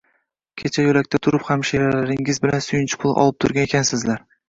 Kecha yo`lakda turib hamshiralaringiz bilan suyunchi puli olib turgan ekansizlar